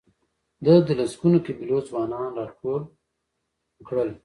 ده د لسګونو قبیلو ځوانان راټول کړل.